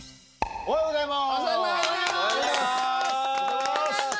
・おはようございます！